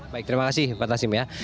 baik terima kasih pak tasim ya